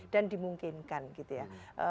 dan dimungkinkan gitu ya